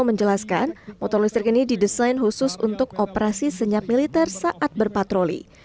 menjelaskan motor listrik ini didesain khusus untuk operasi senyap militer saat berpatroli